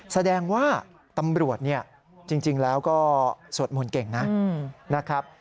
แสดงว่าตำรวจเนี่ยจริงแล้วก็สวดมนต์เก่งนะครับ